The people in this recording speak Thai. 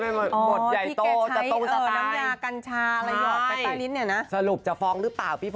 ไม่ฟ้องอีบ้านแค่นี้ก็โดนด่าตายอยู่แหละ